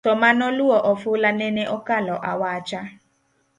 to manoluwo ofula nene okalo awacha